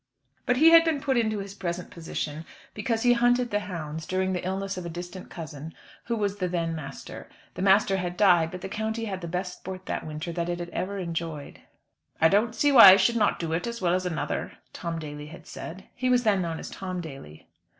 But he had been put into his present position because he hunted the hounds, during the illness of a distant cousin, who was the then master. The master had died, but the county had the best sport that winter that it had ever enjoyed. "I don't see why I should not do it, as well as another," Tom Daly had said. He was then known as Tom Daly.